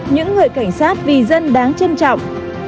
những người cảnh sát vì dân đáng trân trọng